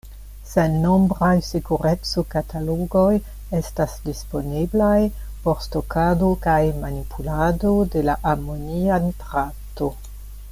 Sennombraj sekureco-katalogoj estas disponeblaj por stokado kaj manipulado de la amonia nitrato.